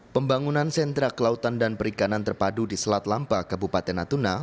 pembangunan sentra kelautan dan perikanan terpadu di selat lampa kabupaten natuna